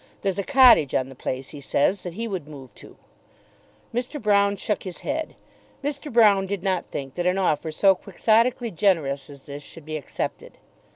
There's a cottage on the place, he says, that he would move to." Mr. Broune shook his head. Mr. Broune did not think that an offer so quixotically generous as this should be accepted.